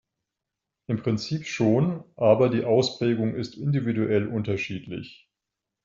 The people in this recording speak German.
Im Prinzip schon, aber die Ausprägung ist individuell unterschiedlich.